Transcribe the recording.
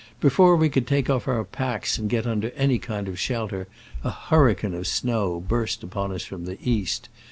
Before we could take off our packs and get under any kind of shelter a hurricane of snow burst upon us from the east.